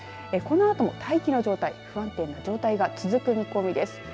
このあとも大気の状態、不安定な状態が続く見込みです。